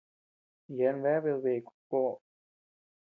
Yeabean bea bedbêe Kukoo.